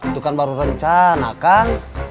itu kan baru rencana kan